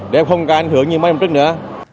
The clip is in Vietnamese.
để không ca ảnh hưởng như mấy năm trước nữa